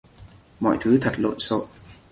mọi thứ thật lộn xộn